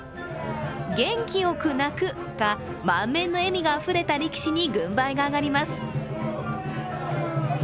元気よく泣くか、満面の笑みがあふれた力士に軍配が上がります。